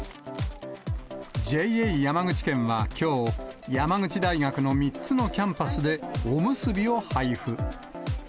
ＪＡ山口県はきょう、山口大学の３つのキャンパスでおむすびを配布。